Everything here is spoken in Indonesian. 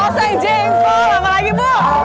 oh sang jengkol apa lagi bu